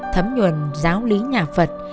thấm nhuận giáo lý nhà phật